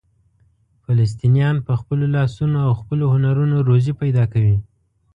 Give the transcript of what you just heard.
فلسطینیان په خپلو لاسونو او خپلو هنرونو روزي پیدا کوي.